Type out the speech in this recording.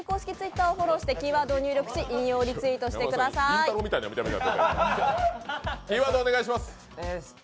りんたろーみたいな見た目やな。